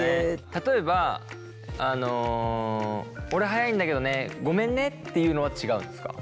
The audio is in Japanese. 例えば俺速いんだけどねごめんねっていうのは違うんですか？